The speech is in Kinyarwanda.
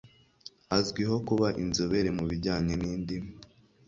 Azwiho kuba inzobere mu bijyanye n'indimi.